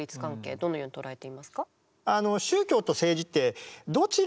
どのように捉えていますか？